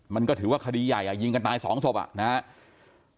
มันก็ถือว่าคดีใหญ่ยิงกันตายสองศพอ่ะนะครับ